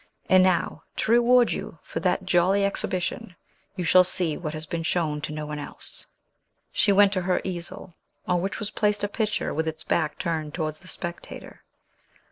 And now, to reward you for that jolly exhibition, you shall see what has been shown to no one else." She went to her easel, on which was placed a picture with its back turned towards the spectator.